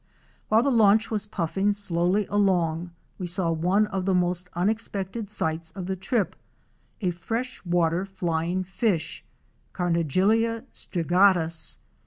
While the launch was puffing slowly along we saw one of the most unexpected sights of the trip —a fresh water flying fish Carnegiclla strigatus.